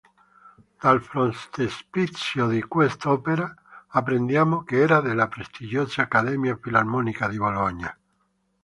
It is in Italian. Dal frontespizio di quest'opera, apprendiamo che era della prestigiosa Accademia Filarmonica di Bologna.